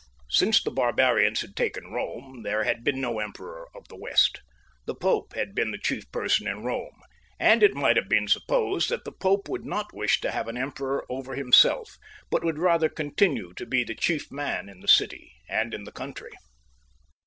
Since the barbarians had taken Bome there had been no Emperor of the West ; the Pope had been the chief person in Bome, and it might have been supposed that the Pope would not wish to have an emperor over himself but would rather continue to be the chief man in the city and in the country.